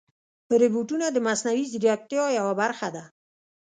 روبوټونه د مصنوعي ځیرکتیا یوه برخه ده.